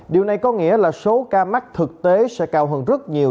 điều này có nghĩa là số ca mắc thực tế sẽ cao hơn rất nhiều